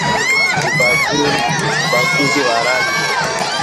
ubaguzi wa rangi